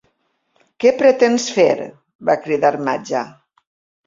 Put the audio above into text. "Què pretens fer?" va cridar Maja.